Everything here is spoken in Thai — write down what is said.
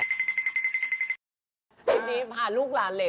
ทีนี้ผ่านลูกหลานเหล่นหลดหมดแล้ว